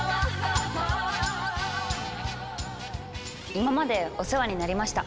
今までお世話になりました。